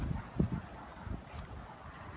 สวัสดีครับ